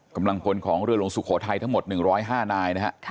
กำลังพลของเรือหลวงสุโขทัยทั้งหมด๑๐๕นายนะฮะ